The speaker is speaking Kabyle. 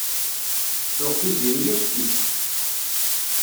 Tuɣ Tiziri ack-itt.